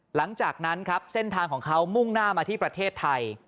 หลังจากนั้นครับเส้นทางของเขามุ่งหน้ามาที่ประเทศไทย